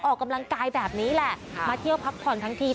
ออกกำลังกายแบบนี้แหละมาเที่ยวพักผ่อนทั้งที